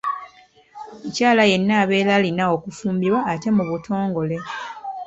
Omukyala yenna abeera alina okufumbirwa ate mu butongole.